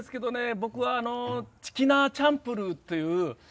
僕はチキナーチャンプルーという。